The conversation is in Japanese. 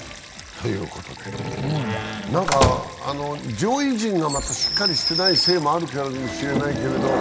上位陣がまだしっかりしてないせいもあるかもしれないけれども。